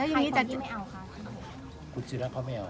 และใครท้ะตัวไม่เอา